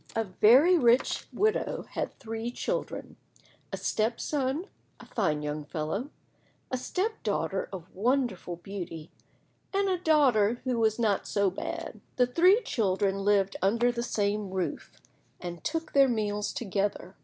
A VERY rich widow had three children, a step son, a fine young fellow, a step daughter of wonderful beauty, and a daughter who was not so bad. The three children lived under the same roof, and took their meals together.